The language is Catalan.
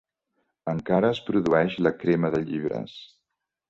Encara es produeix la crema de llibres.